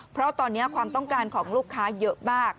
เพราะตอนนี้ความต้องการของลูกค้าเยอะมาก